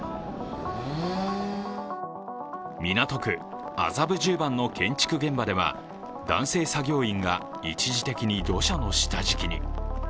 港区麻布十番の建築現場では男性作業員が一時的に土砂の下敷きに。